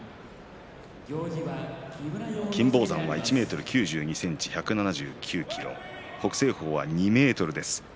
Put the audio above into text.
金峰山は１ｍ９２ｃｍ１７９ｋｇ北青鵬は２ｍです。